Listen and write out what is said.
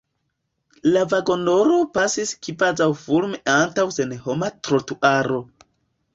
La vagonaro pasis kvazaŭfulme antaŭ senhoma trotuaro.